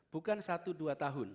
bukan satu dua tahun